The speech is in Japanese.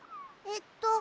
えっと